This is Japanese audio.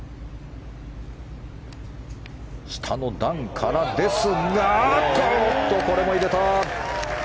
下の段からですがこれも入れた！